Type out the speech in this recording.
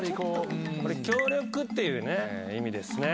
これ「協力」っていうね意味ですね。